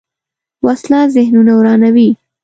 وسله ذهنونه ورانوي